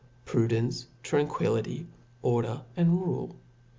^. prudence, tranquility, order, and rule.